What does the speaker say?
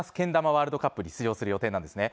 ワールドカップに出場する予定なんですね。